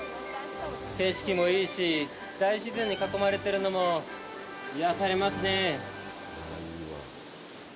景色もいいし、大自然に囲まれてるのも癒やされますね。